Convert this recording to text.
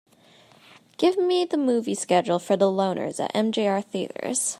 Give me the movie schedule for The Loners at MJR Theatres.